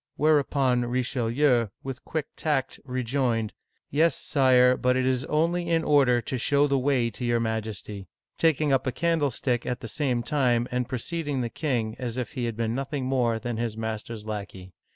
" Whereupon Richelieu, with quick tact, rejoined, " Yes, Sire, but it is only in order to show Digitized by Google 3o8 OLD FRANCE the way to your Majesty," taking up a candlestick at the same time and preceding the king as if he had been nothing more than his master's lackey.